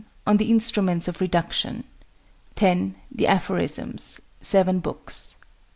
On the Instruments of Reduction. 10. The Aphorisms [Seven Books].